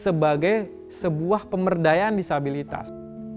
sebagai sebuah pemberdayaan disabilitas